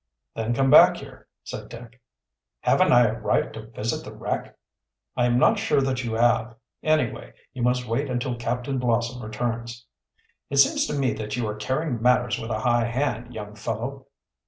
"Then come back here," said Dick. "Haven't I a right to visit the wreck?" "I am not sure that you have. Anyway, you must wait until Captain Blossom returns." "It seems to me that you are carrying matters with a high hand, young fellow."